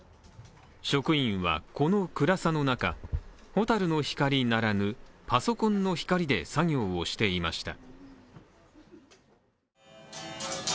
職員はこの暗さの中、蛍の光ならぬパソコンの光で作業をしていました。